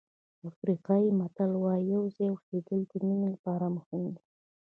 افریقایي متل وایي یو ځای اوسېدل د مینې لپاره مهم دي.